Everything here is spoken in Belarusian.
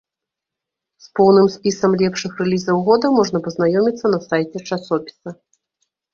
З поўным спісам лепшых рэлізаў года можна пазнаёміцца на сайце часопіса.